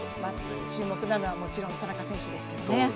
注目なのはもちろん田中選手ですね。